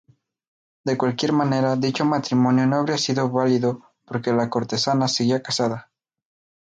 De cualquier manera, dicho matrimonio no habría sido válido porque la cortesana seguía casada.